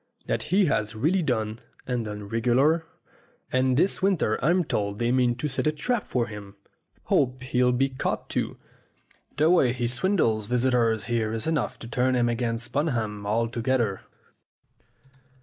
That he has really done, and done regular, and this winter I'm told they mean to set a trap for him. Hope he'll be caught, too. The way he A MODEL MAN 29 swindles visitors here is enough to turn 'em against Bunham altogether."